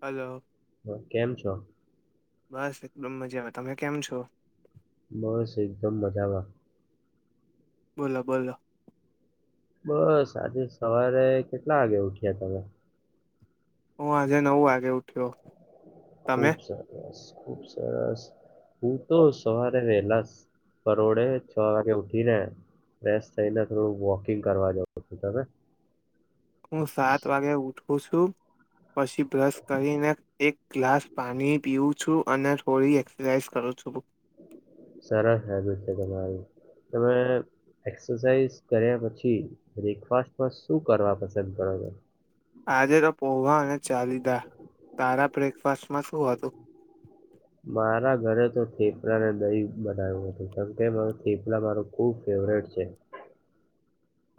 Hello હ કેમ છો બસ એકદમ મજા આવે તમે કેમ છો બસ એકદમ મજામાં બોલો બોલો બસ આજે સવારે કેટલા વાગે ઉઠ્યા તમે હું આજે નવ વાગે ઉઠ્યો તમે ખુબ સરસ ખુબ સરસ હું તો સવારે વેલા પરોડે છ વાગે ઉઠીને રેસ્ટ થઈને થોડું વોકિંગ કરવા જવ છું તમે હું સાત વાગે ઉઠું છું પછી બ્રશ કરીને એક ગ્લાસ પાણી પીવું છું અને થોડી એક્સરસાઝ કરું છું સરસ હ ગું છે તમારી તમે એક્સરસાઇઝ કર્યા પછી બ્રેકફાસ્ટમાં શું કરવા પસંદ કરો છ આજે તો પોહા અને ચાલી દા તારા બ્રેકફાસ્ટ મારા ઘરે તો થેપડાને દહી બનાવ્યું હતું કેમકે મા થેપડા માર ખુબ ફેવરેટ છે [inaudible]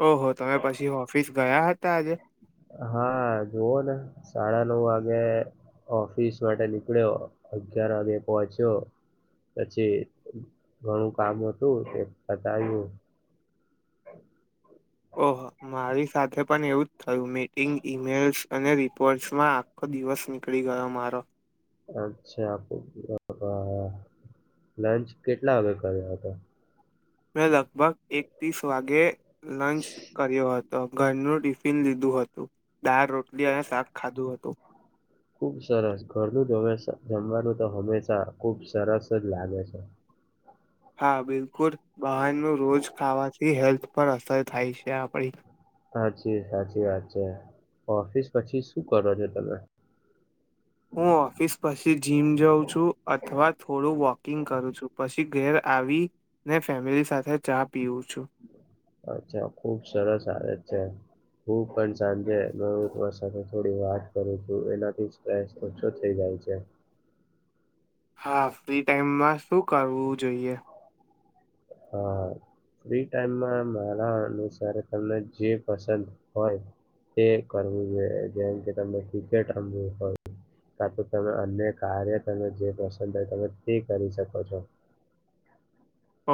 ઓહો તમે પછી ઓફિસ ગયા હતા આજે હા જુઓ ને સાડા નવ વાગે ઓફિસ માટે નીકળ્યો અગયાર વાગે પહોચ્યો પછી ઘણું કામ હતું એ બતા આવ્યું [inaudible] ઓહો મારી સાથે પણ એવું જ થયું મિટિંગ ઈમેલ્સ અને રિપોર્ટસમાં આખો દિવસ નીકળી ગયો મારો અચ્છા આપ લંચ કેટલા વાગે કર્યા હતા મેં લગભગ એક ત્રીસ વાગે લંચ કર્યો હતો ઘરનું ટિફિન લીધું હતું દાળ રોટલી અને શાક ખાધું હતું ખુબ સરસ ઘરનું જમવાનું તો હંમેશા ખુબ સરસ જ લાગે છે હા બિલકુલ બહારનું રોજ ખાવાથી હેલ્થ પર અસર થાય છે આપડી સાચી સાચી વાત છે ઓફિસ પછી શું કરો છો તમે હમ હું ઓફિસ પછી જીમ જાઉં છું અથવા થોડું વોકિંગ કરું છું પછી ઘેર આવી ને ફેમિલી સાથે ચાપ અચ્છા ખુબ સરસ હાલત છે હું પણ સાંજે નવ સાથે થોડી વાત કરું છું એનાથી સ્્રેસ ઓછ થઈ જાય છે હા ફ્રી ટાઈમમાં શું કરવું જોઈએ હા ફ્રી ટાઈમમાં મારા અનુસાર જે પસંદ હોય એ કરવું જોઈએ જેમ કે ત ક્રિકેટ રમવું હોય કા તો તમે અન્ય કાર્ય તમે જે પસંદ હોય તમે તે કરી શકો છો [inaudible]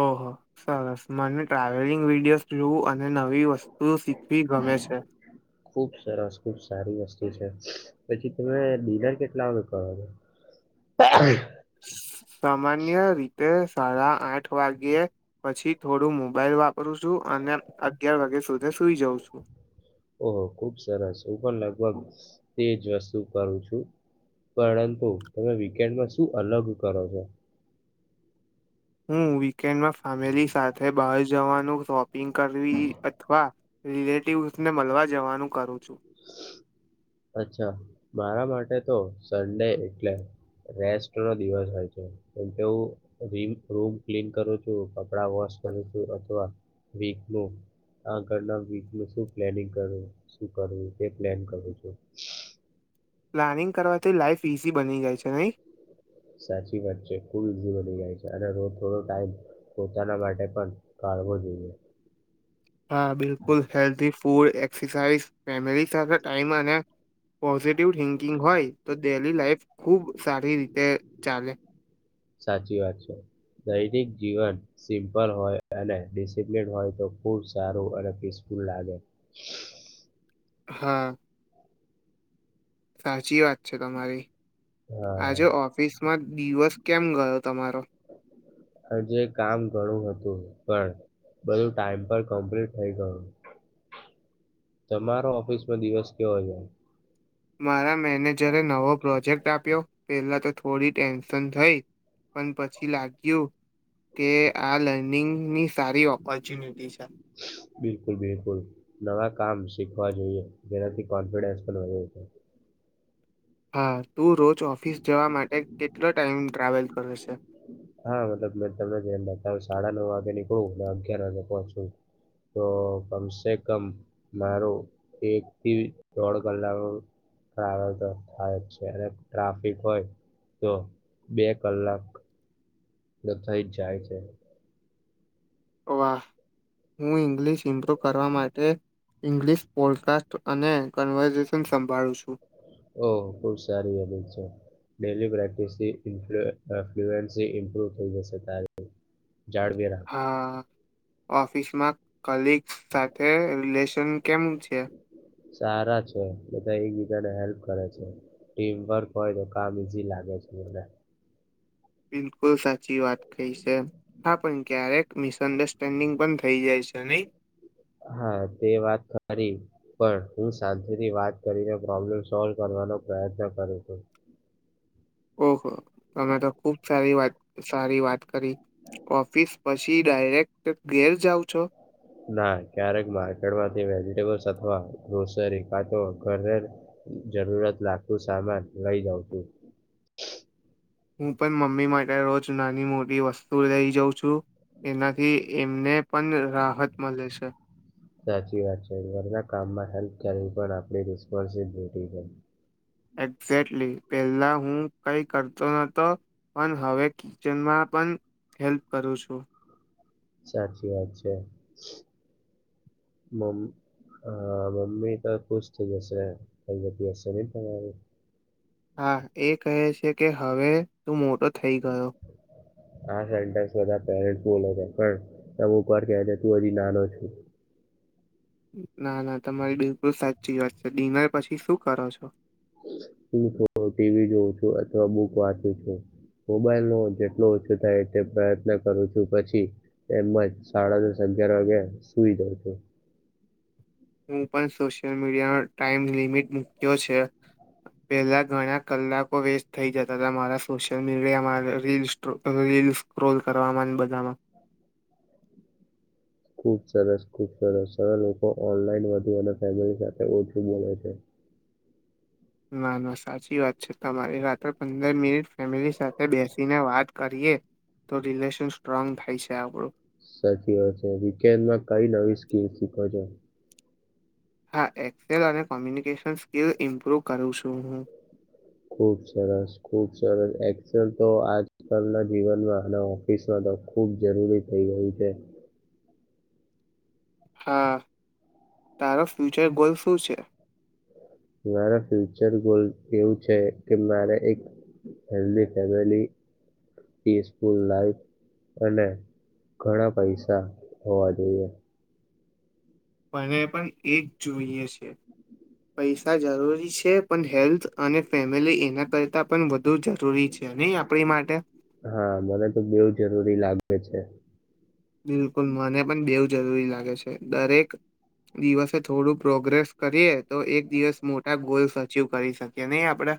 ઓહ સરસ મને ટ્રાવેલિંગ વિડીયોઝ જોવું અને નવી વસ્તુ શીખવી ગમે છે ખુબ સરસ ખુબ સારી વસ્ પછી તમે ડિનર કેટલા કરો છો સામાન્ય રીતે સાડા આઠ વાગ્યે પછી થોડું મોબાઈલ વાપરું છું અને અગયાર વાગે ત્યા સુઈ જાઉં છું. ઓહ ખુબ સરસ છે હું પણ લગભગ તેજ વસ્તુ કરું છું. પરંતુ તમે વીકેન્ડમાં શું અલગ કરો છો. હું વીકેન્ડમાં ફેમિલી સાથે બહાર જવાનું શોક િ કરવી અથવા રિલેટિવસ ને મળવા જવાનું કરું છું. અચ્છા મારા માટે તો સન્ડે એટલે રેસ્ટ નો દિવસ હોય છે કેમ કે હું રૂમ ક્લીન કરું છું કપડા વોશ અથવા વીક નું આગળના વીક નું શું પ્લાનિંગ કરવું શું કરવું એ પ્લાન કરું છું. પ્લાનિંગ કરવાથી લાાઈફ ઈઝી બની જાય છે નહી સાચી વાત છે ખુબ ઈઝી બની જાય છે અનેો થોો ટમ પોતાના માટે પણ જો જોઈએ હા બિલકુલ હેલ્ ફૂડ એ ફેમ સાથે ટાઈમ પોઝિટિવ થિંકિંગ હોય તો ડેલી લાાઈફ ખૂબ સારી રીતે ચાલે. સાચી વાત છે. દૈનિક જીવન સિમ્પલ હોય અને ડિસિપ્લન હોય તો ખૂબ સારું અને પીસફુલ ફૂલ લાગે. હા. સાચી વાત. તમારી હા આજે ઓફિસમાં દિવસ કેમ ગયો તમારો આજે કામ ઘણું હતું પણ બધું ટાઈમ પર કમ્પ્લીટ થઇ ગયોું. તમારો ઓફિસમાં દિવસ કેવો જાય. મારા મેનેજરે નવો પ્રોજેક્ટ આપ્યો પેલા તો થોડી ટેન્શન થઈ પણ પછી લાગ્યું કે આ લર્નિંગની સારી ઓપોર્ચ્યુનિટી છે. બિલકુલ બિલકુલ નવા કામ શીખવા જોઈએ જેનાથી કોન્ફિડન્સ પણ વધે છે. હા તું રોજ ઓફિસ જવા માટે કેટલો ટાઈમ ટ્રાવેલ કરે છે. હા મતલબ મેં તમને એમ બતાવ સાડા નવ વાગે નીકળવું અને અગિયાર વાગે પહોંચવું. તો કમસે કમ મારું એક થી દોઢ કલાક ટ્રાવેલ તો થાય જ છે અને ટ્રાફિક હોય તો બે કલાક નતાઈ જ જાય છે. વાહ હું ઇંગ્લિશ ઇમ્પ્રુવ કરવા માટે ઈંગ્લિશ પોડકાસ્ટ અને કન્વર્ઝેશન સંભાળું છું. ઓ ખુબ સારી આવે છે. ડેલી પ્રેક્ટિસથી ફ્લુએન્સી ઇમ્પ્રુવ થઈ જશે ત જાડવેરા હા ઓફિસમાં કલગ્સ સાથે રિલેશન કેમ છે? સારા છે બધા એક બીજા ને હેલ્પ ટીમ વર્ હોય તો કામ ઈઝી લાગે છે મને બિલકુલ. ખુલ સાચી વાત કઈ છે હા પણ ક્યારેક મિસઅન્ડરસ્ટેન્ડિંગ પણ થઇ જાય છે. ત નહી. હા તે વાત ખરી પણ હું શાંતુથી વાત કરીને પ્રોબ્લેમ સોલ્વ કર કરવા પ્રયત્ન કરો તો ઓહ તમે તો ખુબ સારી વાત સારી વાત કરી ઓફિસ પછી ડાયરેક્ટ ઘેર જાવ ના ક્યારેક માર્કેટ માંથી ટે અથવા ગ્રોસરી કા તો ઘરે જરૂરત લાગતું સામાન લઈ જવ ઓકે. હું પણ મમ્મી માટે રોજ નાની મોટી વસ્તુ લઈ જઉં છું. એનાથી એમને. પણ રાહત મળે છે સાચી વાત છે ઘર ના કામમાં. હેલ્પ કરવી પણ આપણી રિસ્પોન્સિબિલિટી છે. એક્ઝેક્ટલી પેલા હું કઈ કરતો નતો પણ હવે કિચનમાં. પણ હેલ્પ કરું છું. સાચી વાત છે મ. હા મમ્મી તો ખુશ થઇ જશે કઈ જતી હશે નહ તમારી. હા એ કહે છે કે હવે તું મોટો થઈ ગયો. આ સેન્ટર પે બોલો છે પણ તુર કે છે તું હજી નાનો છું. ના ના તમારી બિલકુલ સાચી વાત છે ડિનર પછી શું કરો છો. હું ટીવી જોઉં છું અથવા બુક વાંચું છું. મોબાઈલ નો જેટલો ઓછો થાય તે પ્રયત્ન કરું છું પછી એજ સાડા ન અગિયાર વાગે સુઈ જાય છું. હું પણ સોશિયલ મીડિયાનો ટાઈમ લિમિટ મૂક્યો છે. પહેલા ઘણા કલાકો વેસ્ટ થઈ જતા હતા મારા સોશિયલ મીડિયા રીલ સ્કો રીલ રીલ સ્ક્રોલ કરવાવામાં બધામાં. [inaudible] ખુબ સરસ ખુબ સરસ સર લોકો ઓનલાન વધુ ફ સાથે ઓછું બો છે. ના ના સાચી વાત છે, તમારી રાત્રે પંદર મિનિટ ફેમિલી સાથે બેસીને વાત કરીએ. તો રિલેશન સ્ટ્રોંગ થઈ છે આ બર સાચી વાત છે, વિકેન્નડ કઈ નવી સ્કીલ શીખો છો? હા, એક્સેલ અને કોમ્યુનિકેશન સ્કિલ ઇમ્પ્રુવ કરું છું હું. ખુબ સરસ ખુબ સરસ, એક્સલ તો આજકાલના જીવનમાં અને ઓફિસમાં ખુબ જરૂરી થઈ ગયું છે. હા, તારો ફ્યુચર ગોલ શું છે? મારા ફ્યુચર ગોલ એવું છે કે, મારે એક હેલની ફેમિલી. પીસફુલ લાઈફ અને ઘણા પૈસા હોવા જોઈએ. મને પણ એ જ જોઈએ છે. પૈસા જરૂરી છે પણ હેલ્થ અને ફેમ. લે એના કરતા પણ વધુ જરૂરી છે નહી આપડી માટે. હા મને તો બવ જરૂરી લાગે છે. બિલકુલ મને પણ બેવ જરૂરી લાગે છે દરેક દિવસે થોડું પ્રોગ્રેસ કરીએ તો એક દિવસ મોટા ગોલ્સ અચીવ કરી શકીએ નહી આપડે.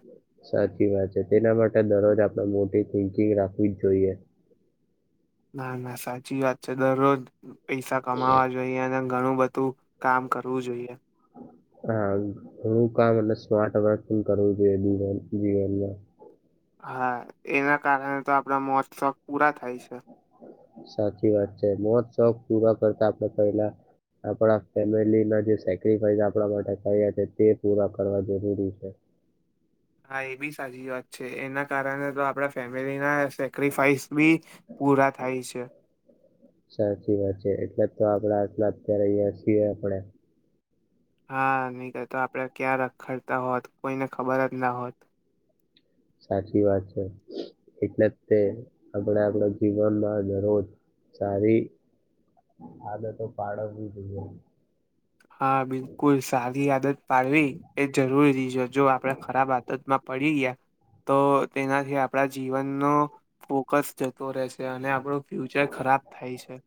સાચી વાત છે, તેના માટે દરરોજ આપણે મોટી થિંકિંગ રાખવી જ જોઈએ. ના ના સાચી વાત છે, દરરોજ પૈસા કમાવા જોઈએ અને ઘણું બધું કામ. કરવું જોઈએ. હા ઘણું કામ અને સ્માર્ટ વર્ક પણ કરવું જોઈએ જીવન જીવનમાં. હા એના કારણે તો આપડા મોજ-શોખ પૂરા થાય છે. સાચી વાત છે, મોજ-શોખ પૂરા કરતા આપડે પહેલા. આપડા ફેમિલીના જે સેક્રિફાઈસ આપડા માટે થયા છે, તે પૂરા કરવા જરૂરી છે. [unintelligible] હા એ બી સાચી વાત છે, એના કારણે તો આપડા ફેમિલીના સેક્રિફાઈસ બી પૂરા થાય છે. સાચી વાત છે એટલે તો આપડા આટલા અત્યારે અહીયા છીએ આપણે. હા નહીંતર તો આપડે ક્યાં રખડતા હોત કોઈને ખબર જ ના હોત. સાચી વાત છે. એટલે તે આપડે આપડા જીવનમાં દરોજ સારી આદતો પાડવી જોઈએ. હા બિલકુલ સારી આદત પાડવી એ જરૂરીજો. જો આપડે ખરાબ આદતમાં પડી ગયા તો તેનાથી આપણા જીવનનો ફોકસ જતો રહેશે અને આપણું ફ્યુચર ખરાબ થાય છે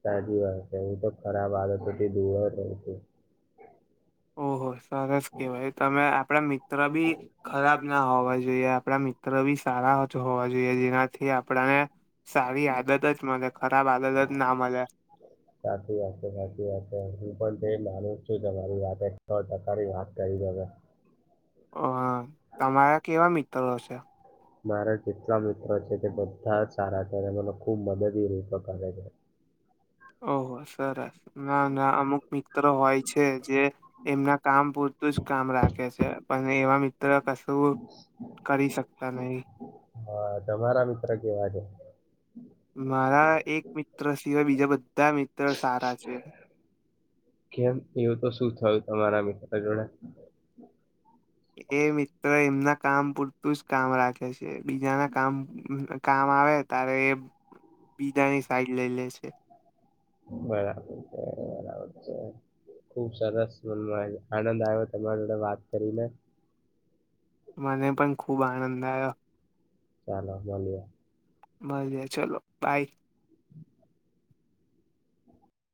સાચી વાત છે. હુ તો ખરાબ આદતો થી દૂર જ રવ છુ. ઓહો સરસ કેવાય તમે આપડા મિત્ર બી ખરાબના હોવા જોઈએ. આપડા મિત્ર બી સારા જ હોવા જોઈએ. જેનાથી આપડાને સારી આદત જ મલે. ખરાબ આદત જ ના મલે. સાચી વાત છે. સાચી વાત છે. હું પણ તે માનું સાચી તમારી વાતે સો ટકાની વાત કરી તમે. હ તમારા કેવા મિત્રો હશે. મારા જેટલા મિત્ર છે તે બધા જ સારા છે અને મને ખૂબ મદદરૂપ કરે છે. ઓહો સરસ. ના ના અમુક મિત્રો હોય છે જે એમના કામ પૂરતું જ કામ રા કે છે પણ એવા મિત્ર કશું કરી શકતા નહી. હા તમારા મિત્ર કેવા છે. મારા એક મિત્ર સિવાય બીજા બધા મિત્ર સારા છે. કેમ એવું તો શું થયું તમારા મિત્ર જોડે. એ મિત્ર એમના કામ પૂરતું જ કામ રાખે છે. બીજાના કામ કામ આવે તારે એ બીજાની સાઈડ લઈ લે છે. બરાબર છે. બરાબર છે. ખુબ સરસ મનમાં આનંદ આયો. તમારી જોડે વાત કરીને. મને પણ ખૂબ આનંદ આવ્યો. ચાલો બો મળીએ. મળીએ ચલો બાય.